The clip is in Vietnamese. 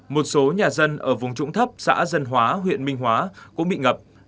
một số nhà dân ở vùng trũng thấp xã dân hóa huyện minh hóa cũng bị ngập